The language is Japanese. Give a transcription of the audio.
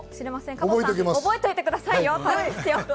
加藤さん、覚えといてくださいよ。